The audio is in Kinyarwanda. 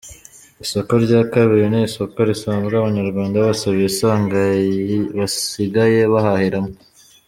Isoko rya kabiri ni isoko risanzwe abanyarwanda bose basigaye bahahiramo.